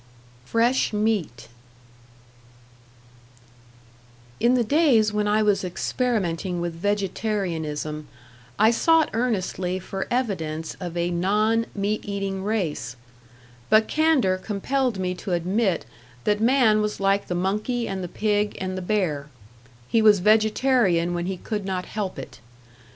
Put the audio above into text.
#Fresh Meat# In the days when I was experimenting with vegetarianism, I sought earnestly for evidence of a non meat eating race; but candor compelled me to admit that man was like the monkey and the pig and the bear he was vegetarian when he could not help it.